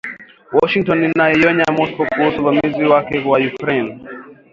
Washington inaionya Moscow kuhusu uvamizi wake kwa Ukraine